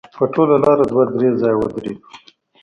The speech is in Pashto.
په ټوله لاره دوه درې ځایه ودرېدو.